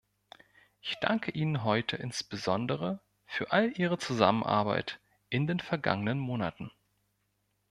Ich danke Ihnen heute insbesondere für all ihre Zusammenarbeit in den vergangenen Monaten.